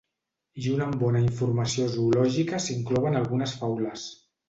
Junt amb bona informació zoològica s'hi inclouen algunes faules.